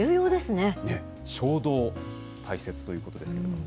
衝動、大切ということですけれども。